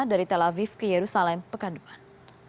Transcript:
dari tel aviv ke yerusalem pekan depan